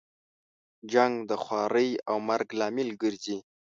جنګ د خوارۍ او مرګ لامل ګرځي.